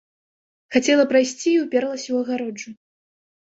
Хацела прайсці і ўперлася ў агароджу.